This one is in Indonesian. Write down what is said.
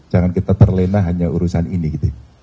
jangan kita terlena hanya urusan ini gitu ya